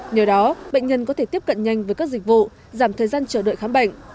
nhờ đó bệnh nhân có thể tiếp cận nhanh với các dịch vụ giảm thời gian chờ đợi khám bệnh